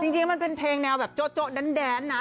จริงมันเป็นเพลงแนวแบบโจ๊ะแดนนะ